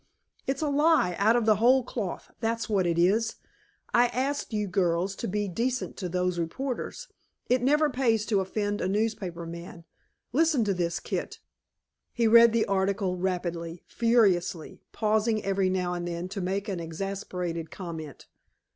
"It's a lie out of the whole cloth, that's what it is. I asked you girls to be decent to those reporters; it never pays to offend a newspaper man. Listen to this, Kit." He read the article rapidly, furiously, pausing every now and then to make an exasperated comment.